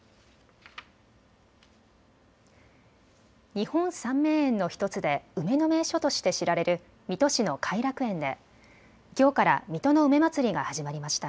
日本三名園の１つで梅の名所として知られる水戸市の偕楽園できょうから水戸の梅まつりが始まりました。